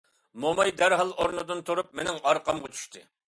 موماي دەرھال ئورنىدىن تۇرۇپ مېنىڭ ئارقامغا چۈشتى.